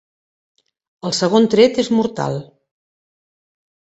El segon tret és mortal.